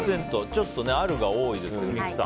ちょっとあるが多いですが、三木さん。